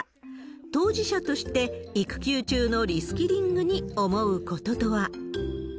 当事者として、育休中のリスキリングに思うこととは。